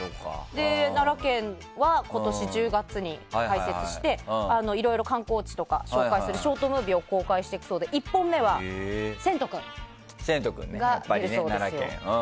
奈良県は今年１０月に開設していろいろ観光地とかを紹介するショートムービーを公開していくそうで１本目はせんとくんが出るそうです。